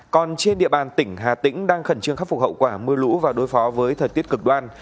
còn trên địa bàn tỉnh hà tĩnh đang khẩn trương khắc phục hậu quả mưa lũ và đối phó với thời tiết cực đoan